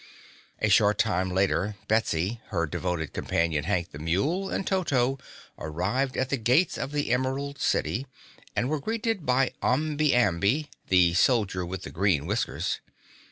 A short time later Betsy, her devoted companion, Hank the Mule, and Toto arrived at the gates of the Emerald City and were greeted by Omby Amby, the Soldier with the Green Whiskers.